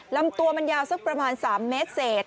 ลำตัวมันยาวสักประมาณ๓เมตรเศษ